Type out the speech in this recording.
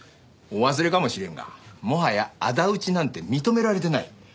お忘れかもしれんがもはや仇討ちなんて認められてない。